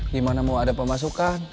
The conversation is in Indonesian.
gimana mau ada pemasukan